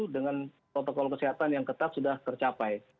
dengan protokol kesehatan yang ketat sudah tercapai